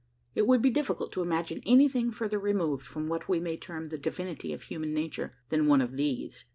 It would be difficult to imagine anything further removed, from what we may term the "divinity of human nature," than one of these.